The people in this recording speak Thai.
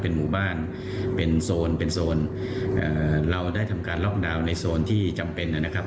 หมู่บ้านเป็นโซนเป็นโซนเอ่อเราได้ทำการล็อกดาวน์ในโซนที่จำเป็นนะครับ